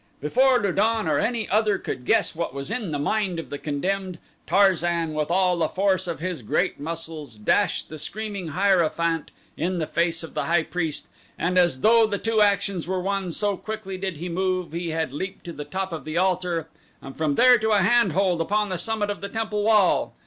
Before Lu don or any other could guess what was in the mind of the condemned, Tarzan with all the force of his great muscles dashed the screaming hierophant in the face of the high priest, and, as though the two actions were one, so quickly did he move, he had leaped to the top of the altar and from there to a handhold upon the summit of the temple wall.